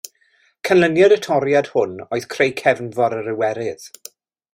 Canlyniad y toriad hwn oedd creu Cefnfor yr Iwerydd.